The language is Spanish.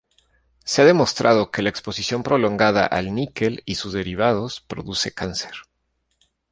Se ha demostrado que la exposición prolongada al níquel y sus derivados produce cáncer.